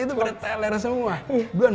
itu pada teler semua